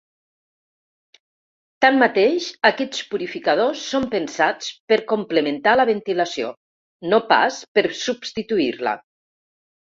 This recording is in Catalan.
Tanmateix, aquests purificadors són pensats per complementar la ventilació, no pas per substituir-la.